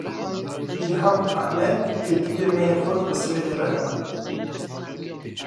Îlham Ehmed Têkiliyên me yên xurt bi Swêdê re hene.